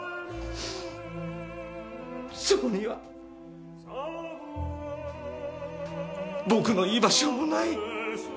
そこには僕の居場所もない。